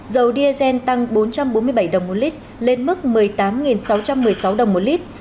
dầu diesel tăng bốn trăm bốn mươi bảy đồng một lít lên mức một mươi tám sáu trăm một mươi sáu đồng một lít